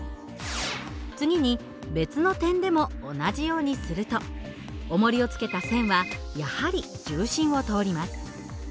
次に別の点でも同じようにするとおもりを付けた線はやはり重心を通ります。